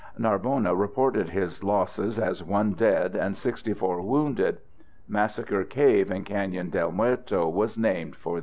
_ Narbona reported his losses as 1 dead and 64 wounded. Massacre Cave in Canyon del Muerto was named for this event.